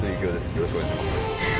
よろしくお願いします。